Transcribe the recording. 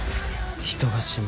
人が死ぬ。